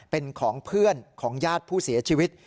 เป็นของเพื่อนของญาติผู้เสียชีวิต